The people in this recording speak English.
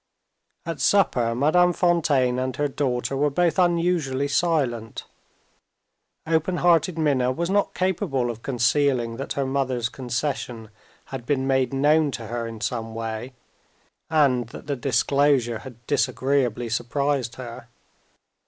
At supper Madame Fontaine and her daughter were both unusually silent. Open hearted Minna was not capable of concealing that her mother's concession had been made known to her in some way, and that the disclosure had disagreeably surprised her.